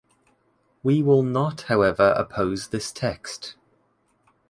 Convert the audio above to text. We will not however oppose this text.